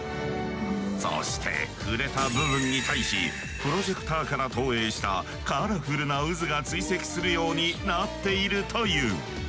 そして触れた部分に対しプロジェクタ−から投影したカラフルな渦が追跡するようになっているという。